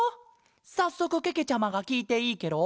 さっそくけけちゃまがきいていいケロ？